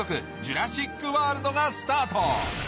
『ジュラシック・ワールド』がスタート